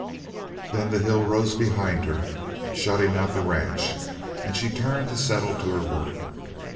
Then the hill rose behind her, shutting out the ranch, and she turned to settle to her work.